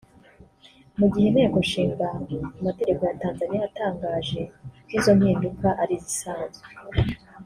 Mu gihe Inteko Ishinga Amategeko ya Tanzania yatangaje ko izo mpinduka ari izisanzwe